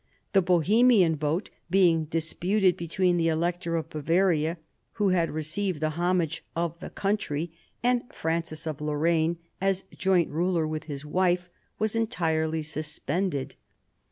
The Bohemian vote, being disputed between the Elector of Bavaria, who had received the homage of the country, and Francis of Lorraine as joint ruler with his wife, was entirely suspended.